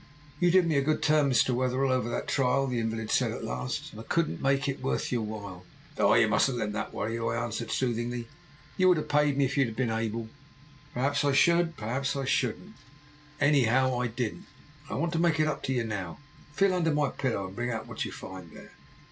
"'You did me a good turn, Mr. Wetherell, over that trial,' the invalid said at last, 'and I couldn't make it worth your while.' "'Oh, you mustn't let that worry you,' I answered soothingly. 'You would have paid me if you had been able.' "'Perhaps I should, perhaps I shouldn't, anyhow I didn't, and I want to make it up to you now. Feel under my pillow and bring out what you find there.'